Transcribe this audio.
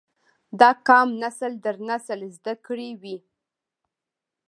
دا قام نسل در نسل زده کړي وي